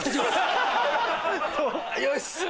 よし！